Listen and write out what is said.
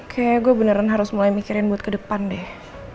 kayaknya gue beneran harus mulai mikirin buat kedepan deh